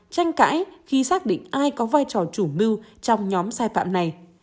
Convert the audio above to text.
tranh cãi khi xác định ai có vai trò chủ mưu trong nhóm sai phạm này